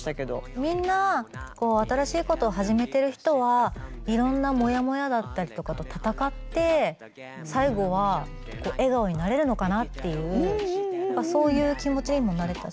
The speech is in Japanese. みんな新しいことを始めてる人はいろんなもやもやだったりとかと闘って最後は笑顔になれるのかなっていうそういう気持ちにもなれたし。